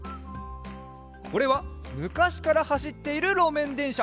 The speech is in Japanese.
これはむかしからはしっているろめんでんしゃ。